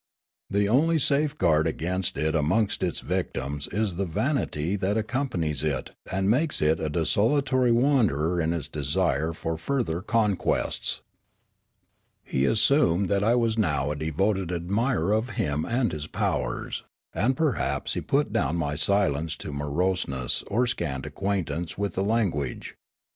The only safeguard against it amongst its victims is the vanity that accom panies it and makes it a desultory wanderer in its desire for further conquests. He assumed that I was now a devoted admirer of him and his powers ; and perhaps he put down my silence to moroseness or scant acquaintance with the language.